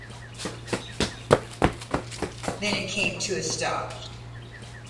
Then he came to a stop.